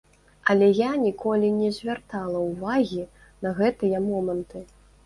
Але я ніколі не звяртала ўвагі на гэтыя моманты.